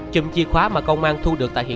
chùm chìa khóa được mang đi thử